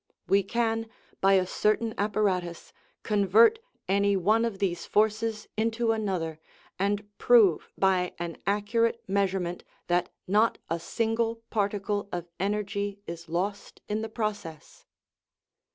We can, by a certain apparatus, convert any one of these forces into another, and prove by an accurate measurement that not a single particle of energy is lost in the process.